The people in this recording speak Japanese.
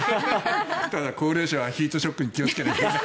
ただ高齢者はヒートショックに気をつけなきゃ。